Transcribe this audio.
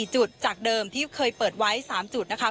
จุดจากเดิมที่เคยเปิดไว้๓จุดนะคะ